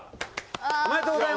おめでとうございます。